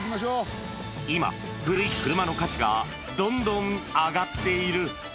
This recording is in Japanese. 今、古い車の価値がどんどん上がっている。